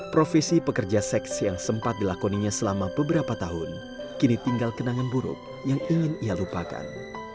profesi pekerja seks yang sempat dilakoninya selama beberapa tahun kini tinggal kenangan buruk yang ingin ia lupakan